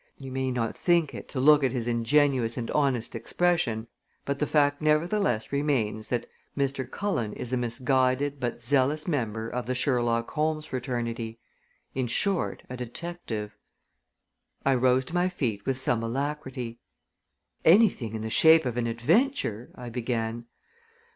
"You may not think it, to look at his ingenuous and honest expression, but the fact, nevertheless, remains that Mr. Cullen is a misguided but zealous member of the Sherlock Holmes fraternity: in short, a detective." I rose to my feet with some alacrity. "Anything in the shape of an adventure " I began.